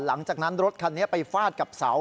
หลังจากนั้นรถคันนี้ไปฟาดกับเสา